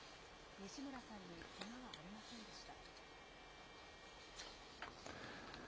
西村さんにけがはありませんでした。